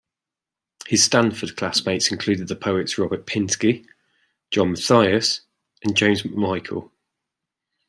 His Stanford classmates included the poets Robert Pinsky, John Matthias, and James McMichael.